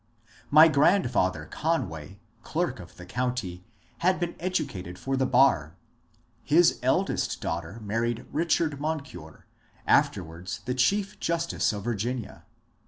My grandfather Conway, clerk of the county, had been educated for the bar. His eldest daughter married Bichard Moncure, afterwards the Chief Justice of Virginia.